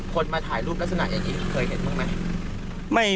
มาถ่ายรูปลักษณะอย่างนี้เคยเห็นบ้างไหม